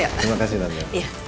terima kasih tanda